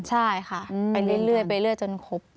ใช่ค่ะไปเรื่อยไปเรื่อยจนครบ